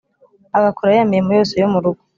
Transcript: agakora ya mirimo yose yo mu rugo,